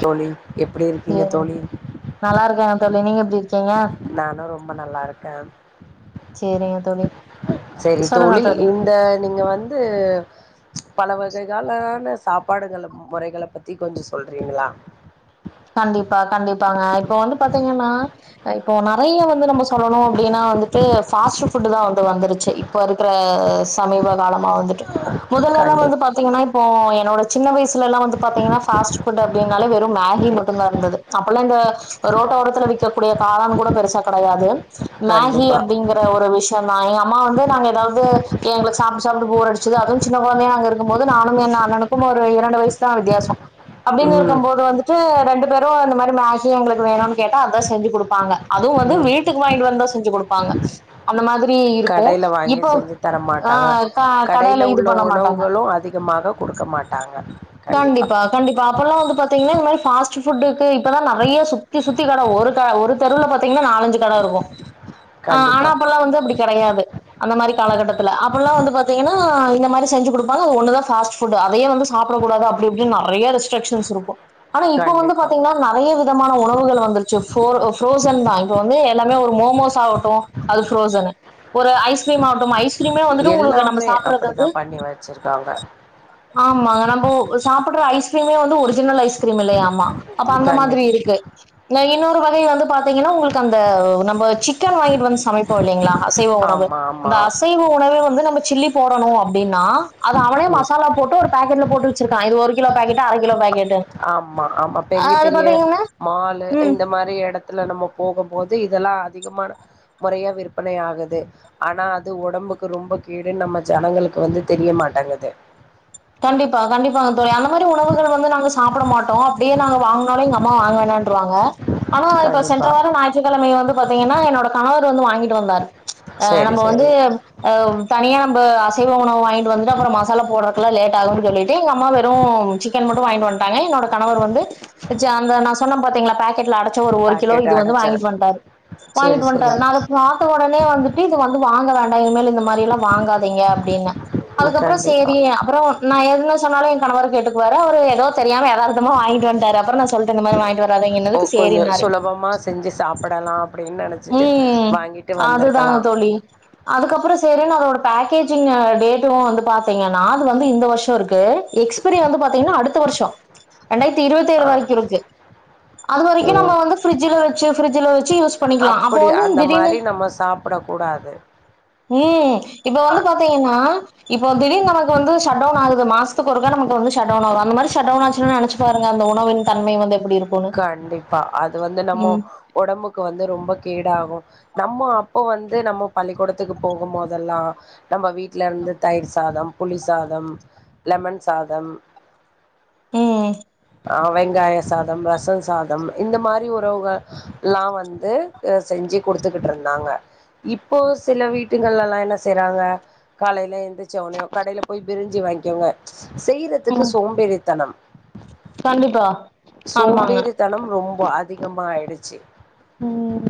தோழி எப்பிடி இருக்கீங்க சேரிங்க தோழி நல்லா இருக்கேங்க தோழி நீங்க எப்டி இருக்கீங்க நானு ரொம்ப நல்லா இருக்கே சேரிங்க தோழி சரி சொல்லுங்க தோழ தோழி இந்த நீங்க வந்து பல வகைகாளான சாப் ப்பாடுகள் முறைகள பத்தி கொஞ்சோ சொல்றீங்களா கண்டிப்பா கண்டிப்பாங்க இப்போ வந்து பாத்தீங்கன்னா இப்போ நெறைய வந்து நம்ம சொல்லணு அப்பிடின்னா வந்துட்டு பாஸ்ட் ஃபுட்தா வந்து வந்துருச்சி இப்ப இருக்கிற சமீப காலமா வந்துட்டு முதல்ல கண்டிப்பா வந்துத்தீங்கன்னா இப்போ என்னோட சின்ன வயசுல்லா வந்து பாத்தீங்கன்னா ஃபஸ்ட் ஃபுட் அப்பிடின் நாள வெறு மேகி ம ட்டுலா இருந்தது அப்பெல்லா இந்த ரோட்ட ஓரத்துல விக்கக்கூடிய காலான் கூட பெருசா கெடையாது மேகி கண்டிப்பா அப்டிங்கிற ஒரு விஷயந்தா‌ எங்க அ ம்மா வந்து நாங்க எதாவ்து எங்ளுக் சாப்ட்டு சாப்ட்டு போர் அடிச்சது அதுவு சின்ன கொழந்தயா நாங்க இருக்கும்போது நானும் என்‌ அண்ணனுக்கும் ஒரு இரண்டு வயசுதா வித்தியாசொ அப்டின் ம் இருக்கும்போது வந்துட்டு ரெண்டு பேரு இந்த மாரி மேகி எங்ளுக்கு வேணுன் கேட்டா அதா செஞ்சு குடுப்பாங்க அதுவு வந்து ம் வீட்டுக் வாங்கிட்வந்து செஞ்சு குடுப்பாங்க அந்த மாதி கடைல வாங்கி செஞ்சு தர ஆ மாட்டாங்க க கடையில கடைல இது உள்ள பண்ண மாட்டாங்க உணவுகளு அதிகமாக குடுக்க மாட்டாங்க கண்டிப்பா த்திங்கன்னா இந்த மாரி ஃபாஸ்ட்டு ஃபுட்டுக்கு இப்பலா நறைய சுத்தி சுத்தி கட ஒரு க ஒரு தெருல பாத்திங்கன்னா நாலஞ்சு கட இருக்கு ஆ ஆனா கண்டிப்பா அப்பல்லா வந்து அப்டி கெடையாது அந்த மாரி காலகட்டத்துல அப்பல்லா வந்து பாத்தீங்கன்னா இந்த மாரி செஞ்சு குடுப்பாங்க அது ஒன்னுதா ஃபாஸ்ட் ஃபுட்டு அதையே வந்து சாப்புடக் கூடாது அப்டி இப்டின் நறைய ரெஸ்ட்ரிக்ஷன்ஸ் இருக்கு இப்ப வந்து கண்டிப்பா பாத்தீங்னா நறைய விதமான உணவுகள் வந்துரு ச்சு ஃபோர் ஃப்ரோஸன்தா இபப் வந்து எல்லாமே ஒரு மோமோஸ் ஆகட்டு அது ஃப்ரோஸனு ஒரு ஐஸ்கிரீம் ஆகட்டும் ஐஸ் க்ரீமே வந்துட்டு உங்களுக்கு நம்ப எல்லாமே சாப்புறது வந்து அப்படிதான் பண்ணி வச்சிருக்காங்க ஆமாங்க நம்போ சாப்புட்ற ஐஸ்கிரீமே வந்து ஒரிஜினல் ஐஸ்கிரீம் இல்லயா மா அப்ப அந்த மாதிரி கண்டிப்பா இருக்கு ந‌ இ ன்னொரு வகை வந்து பாத்தீங்கன்னா உங்ளுக்கு அந்த நம்ப சிக்கன் வாங்கிட்டு வந்து சமைப்போ இல்லைங்களா அசைவ உணவு ஆமா ஆமா அந்த அசைவ உணவே வந்து நம்ம சில்லி போடனு அப்டின்னா அது அவனே ம் மசாலா போட்டு ஒரு பேக்கெட்ல போட்டு வச்சுருக்கா இது ஒரு கிலோ பேக்கட்டு அர கிலோ பேக்கட் ஆமா ஆமா பெரிய பெரிய மாலு ம் இந்த மாரி எட த்துல நம்ம போகும்போது இதெல்லா அதிகமான மொறையா விற்பனை ஆகுது ஆனா அது ஒடம்புக்கு ரொம்ப கேடுன் நம்ம ஜனங்களுக்கு வந்து தெரிய மாட்டெங்குது கண்டிப்பா கண்டிப்பாங்க தோழி அந்த மாரி உணவுகள் வந்து நாங்க சாப்புட மாட்டோ அப்டியே நாங்க வாங்னாலு எங்க அம்மா வாங்க வேணான்ருவாங்க ஆனா இப்ப சென்ற கண்டிப்பா வார ஞயிற்றுக்கிழமை வந்து பாத்தீங்கன்னா என்னோட கணவர் வந்து வாங்கிட்டு வந்தாரு ஆ சேரி நம்ப வந்து சேரி அ தனியா நம்ப அ சைவ உணவு வாங்கிட்டு வந்துட்டு அப்ற மசாலா போட்ற க்கலா லேட் ஆகுன் சொல்லிட்டு எங்க அம்மா வெறு சிக்கன் மட்டு வாங்கிட்டு வந்ட்டாங்க என்னோட கணவர் வந்த ஜா அந்த நா சொன்னம் பாத்தீங்ளா பாக்கெட்ல அட ச்ச ஒரு கிலோ பாக்கெட் இது வந்து அடச்சிரு வாங்கிட்டு வன்ட்டாரு சேரி வாங்கிட்டு சேரி வன்ட்டாரு நா அத பாத்த ஒடனே வந்துட்டு வந்து வாங்க வேண்டா இனிமேல் இந்த மாரி எல்லா வாங்காதீங்க அப்டின்னே அதுக்கப்புறோ கண்டிப்பா சேரி நா என்ன சொன்னாலு எங் கணவர் கேட்டுக்குவாரு அவரு எதோ தெரியாம எதார்த்தமா வாங்கிட்டு வன்ட்டாரு அப்புறோ நா சொல்ற இந்த மாரி வாங்கிட்டு வர் ஓ கொஞ்சோ சுலபமா செஞ்சு சாப்படலாம் ம் அதுதாங்க தோழி அதுக்கப்புறோ சேரின் அதோட பேக்கேஜிங்க டேட்டு வந்து பாத்தீங்கன்னா அது வந்து இந்த வருஷோ இருக்கு எக்ஸ்பீரி வந்து பாத்தீங்கன்னா அடுத்த வருஷோ ரெண்டாயிரத்தி இருவத்து ஏழு ஆ வரைக்கு இருக்கு அது வரைக்கு நம்ம வந்து ஃப்ரிட்ஜுல வெச்சு ஃப்ரிட்ஜுல வெச்சு யூஸ் பண்ணிக்கலா அப்போ அப்புடி வந்து அந்த திடீர்னு மாரி நம்ம சாப்புட கூடாது ம் இப்ப வந்து பாத்தீங்கன்னா இப்போ திடீர்னு நமக்கு வந்து சடோ சடோனாகுது மாசத்துக்கு ஒருக்கா நமக்கு வந்து சடோன் ஆகு அந்த மாரி சடோன் ஆச்சுன்னா நெனச்சு பாருங்க அந்த உணவின் தன்மை வந்து எப்டி இருக்குன்னு கண்டிப்பா அது வந்து நம்ம ம் ஒடம்புக்கு வந்து ரொம்ப கேடாகு நம்மோ அப் இப்போ வந்து நம்ம பள்ளிக்கூடத்துக்கு போகும் போதெல்லா நம்ப வீட்ல இருந்து தயிர் சாதம் புளி சாதம் லெமன் சாதம் ம் ஆ வெங்காய சாதம் ரஸ் ரசோ சாதம் இந்த மாரி உணவுகள் எல்லா வந்து அ செஞ்சு குடுத்துக்கிட்டு இருந்தாங்க இப்போ சில வீட்டுங்கல்லல்லா என்ன செய்யறாங்க காலைல எந்துருச்ச ஒன்னயு கடைல போய் பிரிஞ்சு வாங்கிக்கோங்க செய்றதுக்கு ம் சோம்பேறித்தனம் கண்டிப்பா ஆமாங்க சோம்பேறி தனம் ரொம்போ அதிகமா ஆயிடுச்சு ம்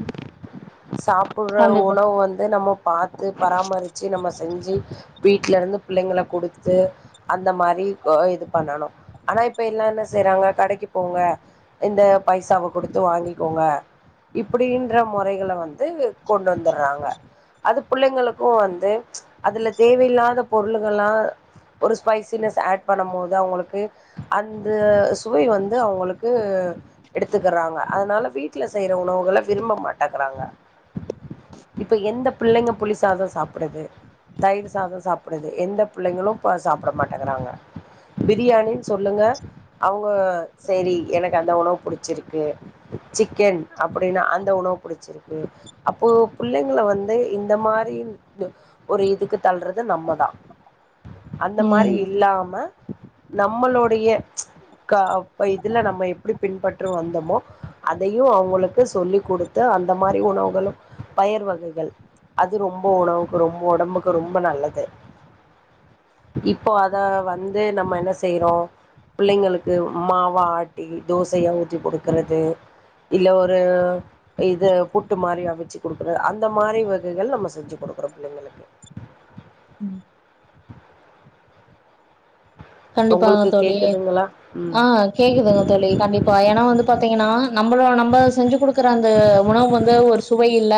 சாப்புடுற கண்டிப்பா உணவு வந்து நம்ம பாத்து பராமருச்சு நம்ம செஞ்சு வீ வீட்ல இருந்து புள்ளைங்கள குடுத்து அந்த மாரி இது பண்ணனு ஆனா இப்ப எல்லா என்ன செய்றாங்க கடைக்கு போங்க இந்த பைசாவ குடுத்து வாங்கிக்கோங்க இப்டின்ற மொறைகள வந்து கொண்டு வந்துர்றாங்க அது புள்ளைங்களுக்கு வந்து அதுல தேவையில்லாத பொருளுகள்லா ஒரு ஸ்பைசினஸ் ஏட் பண்ணம் போது அவங்களுக்கு அந்த சுவை வந் ந்து அவங்களுக்கு எடுத்துக்கறாங்க அதனால வீட்ல செய்யற உணவுகள விரும்ப மாட்டேங்கறாங்க இப்ப எந்த புள்ளைங்க புளி சாதோ சாப்புடுது தயிர் சாதோ சாப்புடுது எந்த புள்ளைங்களும் பா சாப்புட மாட்டேங்கறாங்க பிரியாணின் சொல்லுங்க அவங்க சேரி எனக்கு அந்த உணவு புடுச்சுருக்கு சிக்கன் அப்டின்னா அந்த உணவு புடுச்சுருக்கு அப்போ புள்ளைங்கள வந்து இந்த மாரி ஒரு இதுக்கு தள்றது நம்மதா அந்த மாரி ம் இல்லாம நம்மளொடைய காஅவ் இல்ல நம்ம எப்டி பின்பற்ற வந்தமோ அதையு அவங்களுக்கு சொல்லிக் குடுத்து அந்த மாரி உணவுகளு பயிர் வகைகள் அது ரொம்போ உணவுக்கு ரொம்போ ஒடம்புக்கு ரொம்போ நல்லது இப்போ அத வந்து நம்ம என்ன செய்யறோ புள்ளைங்களுக்கு மாவு ஆட்டி தோசைய ஊற்றி குடுக்குறது இல்ல ஒரு இது புட்டு மாரி அவுச்சு குடுக்குற அந்த மாரி வகைகள் நம்ம செஞ்சு குடுக்குறோம் புள்ளைங்களுக்கு ம் கண்டிப்பா உங்களுக்கு தோழி கேக்குதுங்களா ஆ ம் கேக்குதுங்க தோழி கண்டிப்பா ஏனா வந்து பாத்தீங்கன்னா நம்மள நம்ம செஞ்சு குடுக்குற அந்த உணவு வந்து ஒரு சுவை இல்ல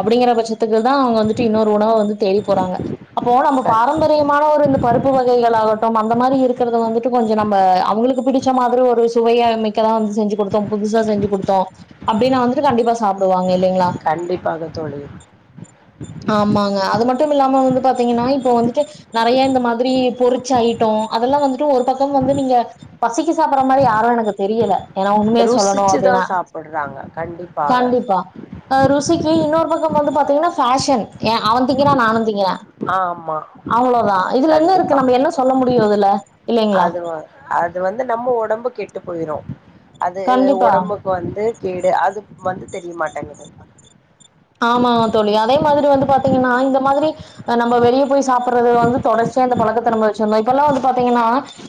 அப்டிங்கிற பட்சத்துக்கு தா அவங்க வந்துட்டு இன்னொரு உணவ வந்து தேடி போறாங்க அப்போ நம்ம கண்டிப்பா பாரம்பரியமான ஒரு இந்த பருப்பு வகைகள் ஆகட்டும் அந்த மாரி இருக்குறது வந்துட்டு கொஞ்சோ நம்ம அவங்களுக்கு பிடிச்ச மாதிரி ஒரு சுவையமிக்கதா வந்து செஞ்சு குடுத்தோம் புதுசா செஞ்சு குடுத்தோ அப்டின்னா வந்துட்டு கண்டிப்பாஸ் சாப்புடுவாங்க இல்லைங்களா கண்டிப்பாக தோழி ஆமாங்க அது மட்டும் மில்லாம வந்து பாத்தீங்கன்னா இப்ப வந்து ட்டு நறையா இந்த மாதிரி பொருச்ச அயிட் அப்றோ அதெல்லா வந்துட்டு ஒரு பக்கம் வந்து நீங்க பசிக்கு சாப்பிற மாதிரி யாரு எனக்கு தெரியல ஏன்னா உண்மையே சொல்லணு ருசிச்சுதா அப்டின்னா சாப்புட்றாங்க கண்டிப்பாக கண்டிப்பா அ ருசிக்கு இன்னொரு பக்க வந்து பாத்தீங்கன்னா பேஷன் ஏ அவந்திங்கிரா நானுந்திங்குறே ஆமா அவ்ளோதா இதுல என்ன இருக்கு நம்ம என்ன சொல் அதுவா அது வந்து நம்ம ஒடம்பு கெட்டுபோ போயிரோ அது கண்டிப்பா உடம்புக்கு வந்து கேடு அதும் வந்து தெரிய மாட்டேங்குது ஆமாங்க தோழி அதே மாதிரி வந்து பாத்தீங்கன்னா இந்த மாதிரி நம்ம வெளிய போய் சாப்புறது வந்து தொடர்ச்சிய இந்த பழக்கத்த நம்ம வச்சதுமாரி அப்பலா வந்து பாத்தீங்கன்னா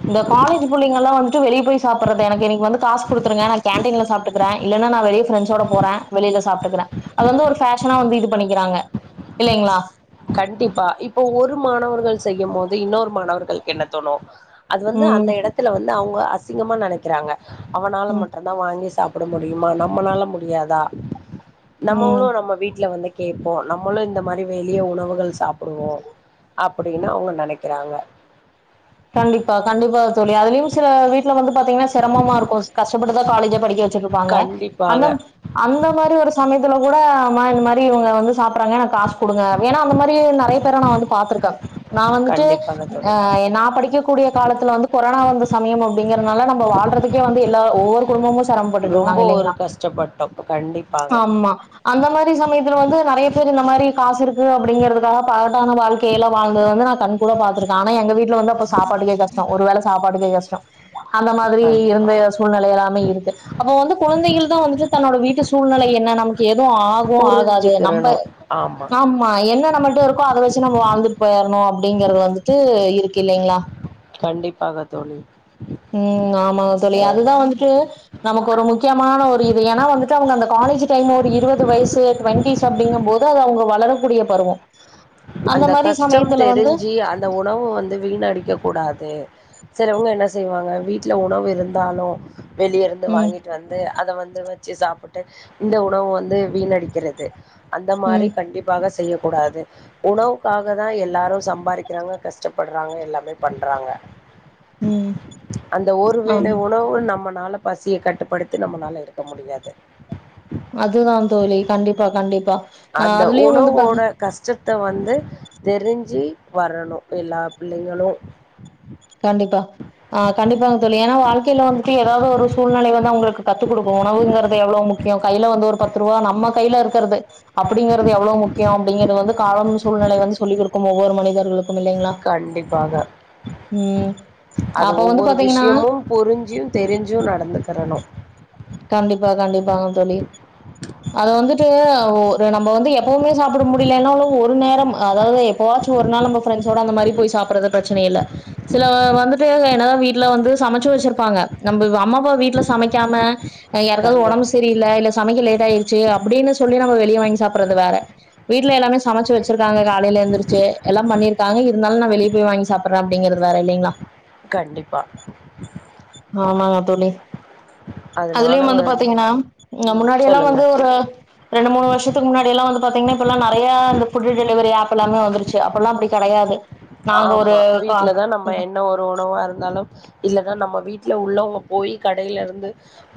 இந்த காலேஜ் புள்ளங்கலா வட்டு வெளிய போய் சாப்டுறதுக்குக்கு வந்து இன்னைக்கு காசு குடுத்துருங்க நா கேண்டீன்ல சாப்டுகுறே இல்லனா நா வெளில ப்ரெண்ட்ஸ் ஓட போறே வெளில சாப்டுகுறே அது வந்து ஃபேஷனா வந்து இது பண்ணிக்குறாங்க இல்லைங்ளா கண்டிப்பா இப்ப ஒரு மாணவர்கள் செய்யும் போது இன்னொரு மாணவர்களுக்கு என்ன தோணு அது வந்து அந்த ம் எடத்துல வந்து அவுங்க அசிங்கமா நெனக்குறாங்க அவனால ம் மட்டுந்தா வாங்கி சாப்ட கூட முடியுமா நம்மளால முடியாதா ம் நம்மளு நம்ம வீட்ல வந்து கேட்போ நம்மளும் இந்த மாரி வெளி மதிய உணவுகள் சாப்டுவோ அப்டின்னு அவுங்க நெனக்குறாங்க கண்டிப்பா கண்டிப்பா தோழி அதுலயு சில வீட்டு டுல வந்து பாத்தீங்கனா செரமமா இருக்கு கஷ் ப்படிதா காலேஜ் படிக்க வைக் வச்சிட்ருப்பாங்க அந்த கண்டிப்பாக அந்த மாரி ஒரு சமய கூட இந்த மாதிரி இவுங்க வந்து சாப்றாங்க எனக்கு காசு குடுங்க ஏன்னா அந்த மாரி இப்பயு நெறய பேர நா வந்து பாத்துருக்கே நா வந்துட்டு கண்டிப்பாக அ தோழி நா படிக்கக்கூடிய காலத்ல வந்து கொரோனா வந்த சமயம் அப்டிங்குறதுனால நம்ம வாழ்றதுக்கே வந்து எல்லா ஒவ்வொரு குடும்பமு சிரமபட்டு ரொம்ப இருந்தாங்க ஒரு இல்லைங்ளா கஷ்டப்பட்டோ கண்டிப்பாக ஆமா அந்த மாரி சமயத்து வந்து நெறய பேர் இந்த மாரி காசு இருக்கு அப்டிங்குறதுக்காக பகட்டான வாழ்க்கையில வாழ்ந்தது வந்து நா கண் கூட பாத்துருக்கே ஆனா எங்க வீட்ல வந்து அப்ப சாப்பாட்டுக்கே கஷ்டோ ஒரு வேல சாப்பாட்டுக்கே கஷ்டோ அந்த மாரி இருந்த சூழ்நிலை எல்லாமே இருக்கு அப்போ வந்து குழந்தைகள் தா வந்துட்டு தன்னோட வீட்டு சூழ்நிலை என்ன நமக்கு எதுவு ஆகு ஆகாது நம்ப ஆமா என்ன நம்மட்ட இருக்கோ அத வச்சு நம்ம வாழ்ந்து போயர்னு அப்படிங்கறது வந்துட்டு இருக்கு இல்லலைங்களா கண்டிப்பாக தோழி ம் ஆமாங்க தோழி ஏனா அதுதா வந்துட்டு நமக்கு ஒரு முக்கியமான ஒரு இது ஏன்னா வந்துட்டு அவங்க அந்த காலேஜ் டைம்ம ஒரு இருபது வயசு டுவெண்டிஸ் அப்படிங்கு போது அது அவங்க வளரும் கூடிய பருவோ அந்த கஷ்டம் தெரிஞ்சு அந்த உணவு வந்து வீணடிக்க கூடாது சிலவங்க என்ன செய்வாங்க வீட்டுல உணவு இருந்தாலு வெளிய இருந்து உம் வாங்கிட்டு வந்து அத வந்து வச்சு சாப்பிட் டு இந்த உணவு வந்து வீணடிக்கிறது அந்த மாரி உம் கண்டிப்பாக செய்ய கூடாது உணவுக்காக தா எல்லாரு சம்பாதிக்கிறாங்க கஷ்டப்படுறாங்க எல்லாமே பண்றாங்க உம் அந்த ஒருவேளை ஆமா உணவு நம்ம னால பசிய கட்டுப்படுத்தி நம்மனால இருக்க முடியாது அதுதா தோழி கண்டிப்பா கண்டிப் ப்பா ஆ அதுலயு வந்து பாத்து த வந்து தெரிஞ்சு வரணு எல்லா பிள்ளைங்களு கண்டிப்பா ஆ கண்டிப்பாங்க தோழி ஏன்னா வாழ்க்கையில வந்துட்டு ஏதாவது ஒரு சூழ்நிலை வந்து அவங்களுக்கு கத்துக் கொடுக்கு உணவுங்கறிறது எவ்வளவு முக்கிய கையில வந்து ஒரு பத்து ரூபா நம்ம கையில இருக்கிறது அப்படிங்கிறது எவ்வளோ மு க்கியம் அப்படிங்கிறது வந்து காலமும் சூழ்நிலை வந்து கொடுக்கு ஒவ்வொரு மனிதர்களுக் கண்டிப்பாக ம் அது அப்ப வந்து ஒவ்வொரு பாத்தீங்கன்னா விஷயமும் புரிஞ்சியும் தெரிஞ்சும் நடந்து தரணு கண்டிப்பா கண்டிப்பாங்க தோழி அது வந்துட் [unintelligible] ஒரு நம்ம வந்து எப்பவுமே சாப்பிட முடியலன்ன ஒரு நேரம் அதாவது எப்பாச்சு ஒரு நாள் நம்ம பிரண்ட்ஸோட அந்த மாரி போய் சாப்பிறது பிரச்சன இல்ல சில வந்துட்டு என்னால வீட்டுல வந்து சமைச்சு வச்சிருப்பாங்க நம்ம அம்மா அப்பா வீட்டுல சமைக்காம யாருக்காவது கண்டி உம்பு சரிய இல்ல இல்ல சமைக்க லேட் ஆச் ச்சி அப்படின்னு சொல்லி நம்ம வெளிய வாங்கி சாப்பிற வேற வீட்டுல எல்லாமே சமைச்சு வச்சிருக்காங்க காலையில இருந்தருச்சு எல்லா பண்ணிருக்காங்க இருந்தாலு நா வெளியே போய் வாங்கி சாப்பிடுறே அப்படிங்கறது வேற இல்லைங்களா கண்டிப்பா ஆமாங்க தோழி அதுலயும் வந்து பாத்தீங்கன்னா அ ம் முன்னாடிய எல்லா சொல்லுங்க வந்து ஒரு ரெண்டு மூணு வருஷத்துக்கு முன்னாடிய எல்லா வந்து பாத்தீங்கன்னா இப்பல்லா நெறையா அந்த ஃபுடு டெலிவரி ஆப் எல்லாமே வந்துருச்சு அப்பல்லா அப்டி கிடையாது ஆமா வீட்டுலதா நம்ம என்ன ஒரு உணவா இருந்தாலு இல்லனா நம்ம வீட்டல உள்ளவங்க போய் கடையில இருந்து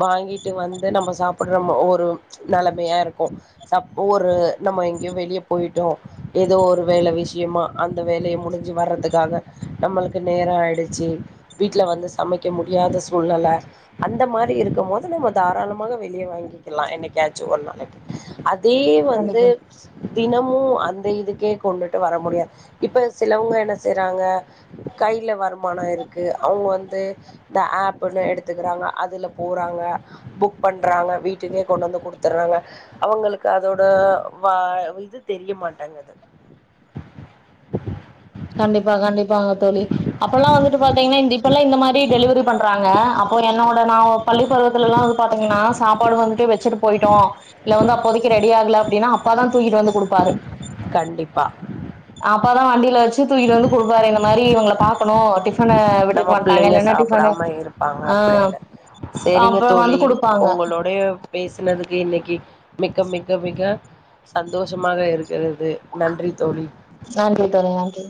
வாங்கிட்டு வந்து நம்ம சாப்படுறமே ஒரு நிலைமையா இருக்கு சாப் ஒரு நம்ம எங்கேயோ வெளியே போயிட்டோ ஏதோ ஒரு வேல விஷயமா அந்த வேலையை முடி ஞ்சி வர்துக்காக நம்மளுக்கு நேர ஆயிடுச்சு வீட்டுல வந்து சமைக்க முடியாத சூழ்நில அந்த மாரி இருக்கு போது நம்ம தாராளமாக வெளியே வாங்கிக்கலா எனச்சு ஒரு நாளைக்கு அதே வந்து கண்டிப்பா தினமு அந்த இதுக்கே கொண்டுட்டு வர முடியாது இப்ப சிலவங்க என்ன செய்யறாங்க கையில வருமான இருக்கு அவங்க வந்து இந்த ஆப்பு ஒன்னு எடுத்துக்கறாங்க அதுல போறாங்க புக் பண்றாங்க வீட்டுக்கே கொண்டு வந்து குடுத்துடுறாங்க அவங்களுக்கு அதோட வ இது தெரிய மாட்டாங்கது கண்டிப்பா கண்டிப்பாங்க தோழி அப்ப எல்லா வந்துட்டு பாத்தீங்கன்னா இந்தப்பெல்லா இந்த மாரி டெலிவரி பண்றாங்க அப்போ என்னோட நா பள்ளி பருவத்துல எல்லா வந்து பாத்தீங்கன்னா சாப்பாடு வந்துட்டு வச்சுட்டு போயிட்டோ இல்ல வந்து அப்போதைக்கு ரெடி ஆகல அப்படின்னா அப்பாதா தூக்கிட்டு வந்து குடுப்பாரு கண்டிப்பா அப்பா தா வண்டியில வச்சு தூக்கிட்டு வந்து கொடுப்பாரு இந்த மாரி இவங்கல பாக்கணு டிஃ நம்ம பிள்ளைங்க சாப்பிடாம இருப்பாங்க ஆ அப்படினு சேரிங்க அப்றோ வந்து தோழி குடுப்பாங்க உங்களுடைய பேசினதுக்கு இன்னைக்கு மிக மிக மிக சந்தோஷமாக இருக்கிற நன்றி தோழி நன்றி